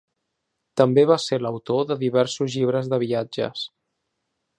També va ser l'autor de diversos llibres de viatges.